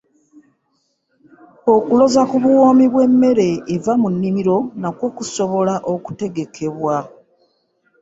Okuloza ku buwoomi bw’emmere eva mu nnimiro nakwo kusobola okutegekebwa.